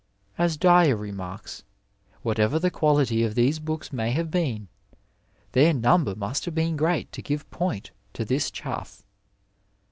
As Dyer remarks, whatever the quaUly of these books may have been, their number must have been great to give point to this chaff.